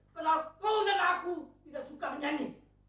kenapa kau dan aku tidak suka menyanyi